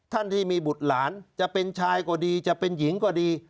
ท่านที่มีบุตรหลานจะเป็นชายก็ดีจะเป็นหญิงก็ดี